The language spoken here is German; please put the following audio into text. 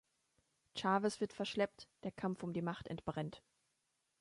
Chavez wird verschleppt, der Kampf um die Macht entbrennt.